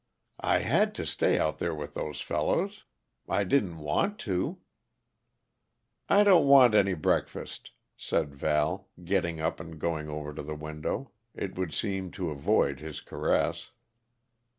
"I had to stay out there with those fellows. I didn't want to " "I don't want any breakfast," said Val, getting up and going over to the window it would seem to avoid his caress.